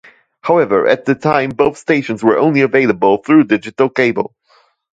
However, at the time both stations were only available through digital cable.